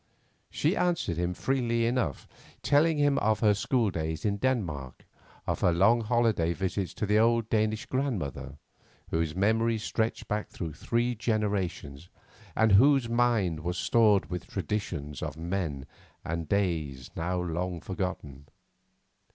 She answered him freely enough, telling him of her school days in Denmark, of her long holiday visits to the old Danish grandmother, whose memory stretched back through three generations, and whose mind was stored with traditions of men and days now long forgotten.